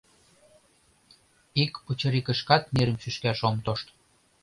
Ик пычырикышкат нерым шӱшкаш ом тошт.